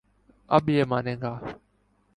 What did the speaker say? اب یہ مانے گا۔